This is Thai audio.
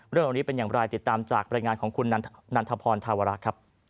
เรื่องนี้เป็นอย่างไรติดตามจากบรรยายงานของคุณนันทพรธาวระครับ